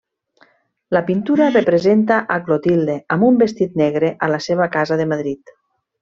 La pintura representa a Clotilde amb un vestit negre a la seva casa de Madrid.